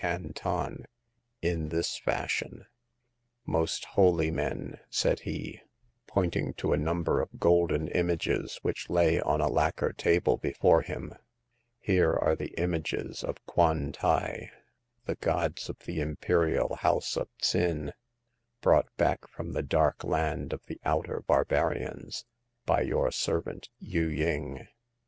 Can ton, in this fashion :Most holy men," said he, pointing to a num ber of golden images which lay on a lacquer table before him, " here are the images of Kwan tai, the gods of the Imperial House of T'sin, brought back from the dark land of the Outer Barbarians by your servant Yu ying.